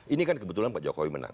ini kan kebetulan pak jokowi menang